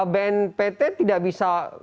bnpt tidak bisa